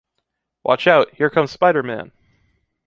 Watch out, here comes Spider Man!